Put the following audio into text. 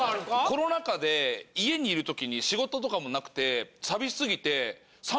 コロナ禍で家にいるときに仕事とかもなくて寂しすぎて。